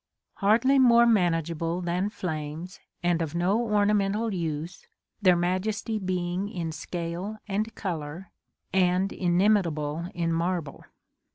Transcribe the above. Hardly more manageable than flames, and of no ornamental use, their majesty being in scale and color, and inimitable in marble.